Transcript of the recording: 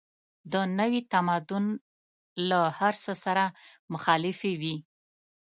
د نوي تمدن له هر څه سره مخالفې وې.